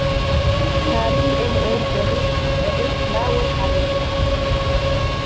ntaribi mn erick erick nawe arongera ati